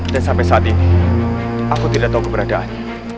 dan sampai saat ini aku tidak tahu keberadaannya